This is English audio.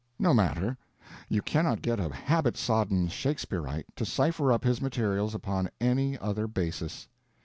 No matter, you cannot get a habit sodden Shakespearite to cipher up his materials upon any other basis.